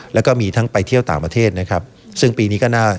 แล้วก็มีทั้งไปเที่ยวต่างประเทศนะครับซึ่งปีนี้ก็น่า